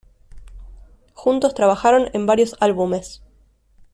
Juntos trabajaron en varios álbumes.